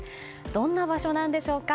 どんな場所なんでしょうか。